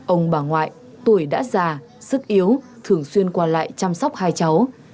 ông bà ngoại tuổi đã già sức yếu thường xuyên qua lại chăm sóc hai cháu